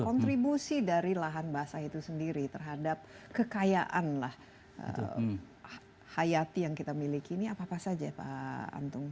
kontribusi dari lahan basah itu sendiri terhadap kekayaan lah hayati yang kita miliki ini apa apa saja pak antung